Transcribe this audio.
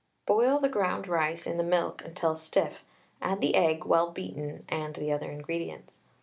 Boil the ground rice in the milk until stiff, add the egg, well beaten, and the other ingredients.